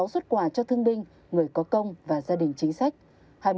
một mươi sáu xuất quà cho thương đinh người có công và gia đình chính sách